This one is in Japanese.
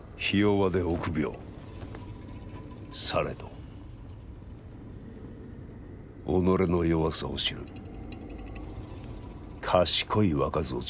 されど己の弱さを知る賢い若造じゃ。